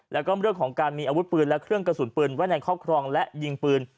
แล้วก็เรื่องของการมีอาวุธปืนและเครื่องกระสุนปืนไว้ในครอบครองและยิงปืน